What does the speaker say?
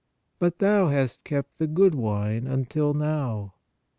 But thou hast kept the good wine until now.